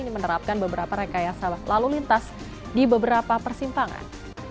ini menerapkan beberapa rekayasa lalu lintas di beberapa persimpangan